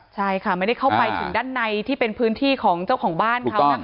ใช่ค่ะไม่ได้เข้าไปถึงด้านในที่เป็นพื้นที่ของเจ้าของบ้านเขานะคะ